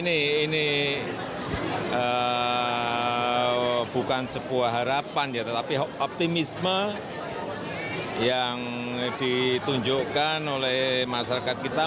ini bukan sebuah harapan ya tetapi optimisme yang ditunjukkan oleh masyarakat kita